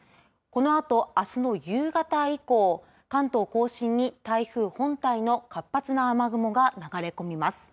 このあと、あすの夕方以降関東甲信に台風本体の活発な雨雲が流れ込みます。